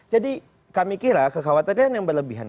jadi kami kira kekhawatiran yang berlebihan